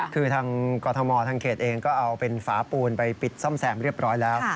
คือทางกรทมทางเขตเองก็เอาเป็นฝาปูนไปปิดซ่อมแซมเรียบร้อยแล้ว